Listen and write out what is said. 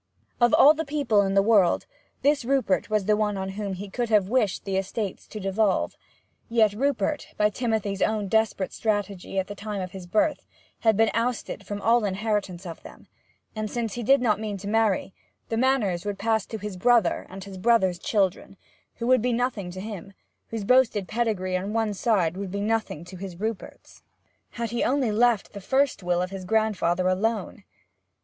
Of all people in the world this Rupert was the one on whom he could have wished the estates to devolve; yet Rupert, by Timothy's own desperate strategy at the time of his birth, had been ousted from all inheritance of them; and, since he did not mean to remarry, the manors would pass to his brother and his brother's children, who would be nothing to him, whose boasted pedigree on one side would be nothing to his Rupert's. Had he only left the first will of his grandfather alone!